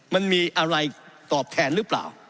มันมีอะไรตอบแทนหรือเปล่า